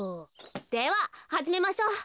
でははじめましょう。